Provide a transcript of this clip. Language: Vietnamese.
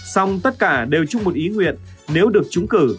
xong tất cả đều chung một ý nguyện nếu được trúng cử